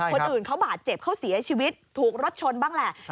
คนอื่นเขาบาดเจ็บเขาเสียชีวิตถูกรถชนบ้างแหละ